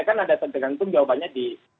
kan ada tergantung jawabannya di